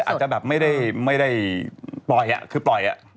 อาจจะไม่ได้ปล่อย